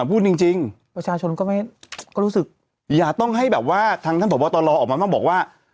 อ่ะพูดจริงจริงประชาชนก็ไม่ก็รู้สึกอย่าต้องให้แบบว่าทางท่านสมบัติศาสตร์รอออกมามาบอกว่า